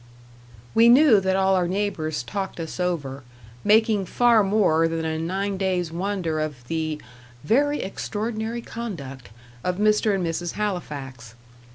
We knew that all our neighbours talked us over, making far more than a nine days' wonder of the "very extraordinary conduct" of Mr. and Mrs. Halifax.